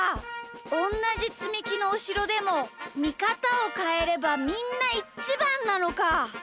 おんなじつみきのおしろでもみかたをかえればみんなイチバンなのか！